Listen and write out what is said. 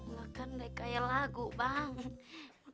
enggak kan deh kayak lagu bang